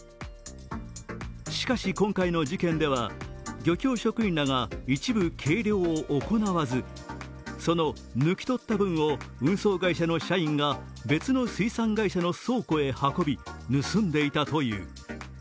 しかし、今回の事件では漁協職員らが一部、計量を行わずその抜き取った分を運送会社の社員が別の水産会社の倉庫へ運び盗んでいたという。